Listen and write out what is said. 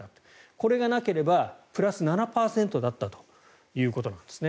これがなければプラス７％だったということなんですね。